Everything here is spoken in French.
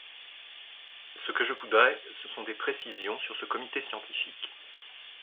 Ce que je voudrais, ce sont des précisions sur ce comité scientifique.